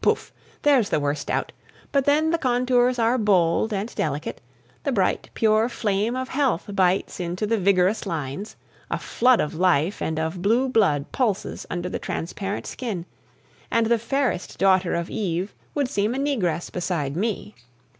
Poof! There's the worst out. But then the contours are bold and delicate, the bright, pure flame of health bites into the vigorous lines, a flood of life and of blue blood pulses under the transparent skin, and the fairest daughter of Eve would seem a Negress beside me!